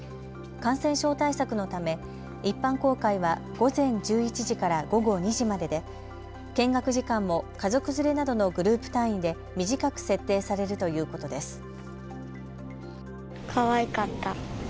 感染症対策のため一般公開は、午前１１時から午後２時までで見学時間も家族連れなどのグループ単位で短く設定されるということです。